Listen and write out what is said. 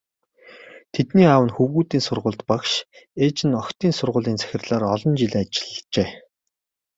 Тэдний аав нь хөвгүүдийн сургуульд багш, ээж нь охидын сургуулийн захирлаар олон жил ажиллажээ.